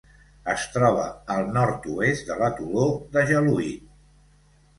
Es troba al nord-oest de l'atoló de Jaluit.